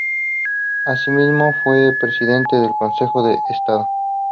Asimismo fue presidente del Consejo de Estado.